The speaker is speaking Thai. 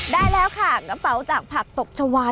ได้แล้วค่ะกระเป๋าจากผักตบชาวา